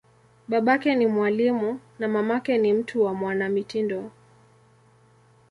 Babake ni mwalimu, na mamake ni mtu wa mwanamitindo.